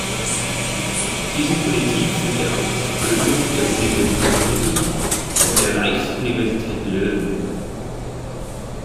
Diese Politik führte auch zur Gründung der Universität Lüttich und der Reichsuniversität Löwen.